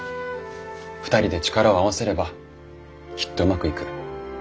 ２人で力を合わせればきっとうまくいく。